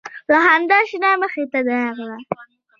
له خندا شنه مخې ته راغله